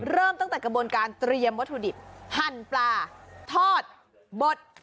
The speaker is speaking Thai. เริ่มตั้งแต่กระบวนการเตรียมวัตถุดิบหั่นปลาทอดบด